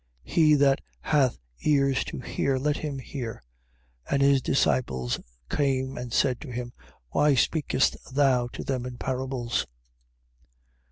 13:9. He that hath ears to hear, let him hear. 13:10. And his disciples came and said to him: Why speakest thou to them in parables?